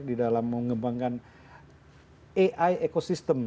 di dalam mengembangkan ai ekosistem